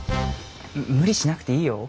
無理しなくていいよ。